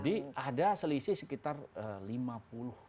jadi ada selisih sekitar lima puluh berarti